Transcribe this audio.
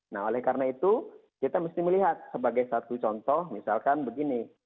nah oleh karena itu kita mesti melihat sebagai satu contoh misalkan begini